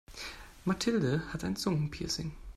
Mathilde hat ein Zungenpiercing.